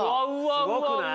すごくない？